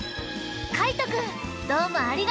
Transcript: かいとくんどうもありがとう！